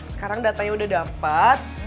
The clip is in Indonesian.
sekarang datanya udah dapet